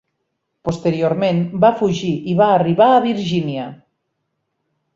Posteriorment va fugir i va arribar a Virgínia.